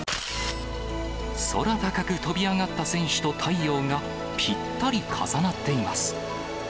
空高く飛び上がった選手と太陽がぴったり重なっています。